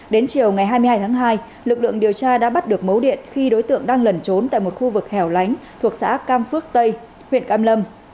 đến chiều ngày hai mươi hai tháng hai lực lượng điều tra đã bắt được mấu điện khi đối tượng đang lẩn trốn tại một khu vực hẻo lánh thuộc xã cam phước tây huyện cam lâm